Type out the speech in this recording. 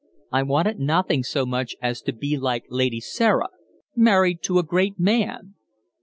I wanted nothing so much as to be like Lady Sarah married to a great man."